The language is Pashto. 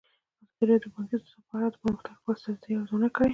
ازادي راډیو د بانکي نظام په اړه د پرمختګ لپاره د ستراتیژۍ ارزونه کړې.